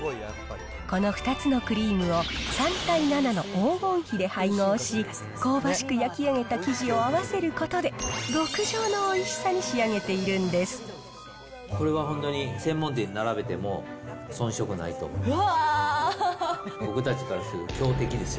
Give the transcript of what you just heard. この２つのクリームを３対７の黄金比で配合し、香ばしく焼き上げた生地を合わせることで、極上のおいしさに仕上これは本当に、専門店に並べても遜色ないと思います。